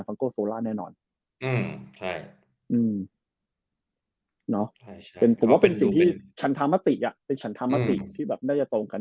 ๑๐๐เปอร์เซ็นที่ก็ไม่มีใครเกอน